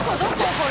これ。